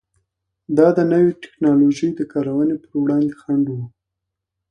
دا د نوې ټکنالوژۍ د کارونې پر وړاندې خنډ و.